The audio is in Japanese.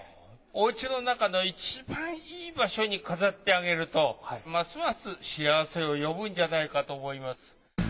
お家の中のいちばんいい場所に飾ってあげるとますます幸せを呼ぶんじゃないかと思います。